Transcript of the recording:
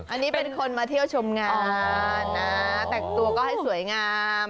อันนี้เป็นคนมาเที่ยวชมงานนะแต่งตัวก็ให้สวยงาม